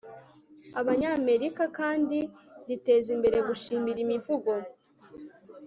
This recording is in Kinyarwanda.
abanyamerika kandi riteza imbere gushimira imivugo